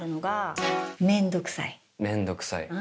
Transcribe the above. めんどくさい。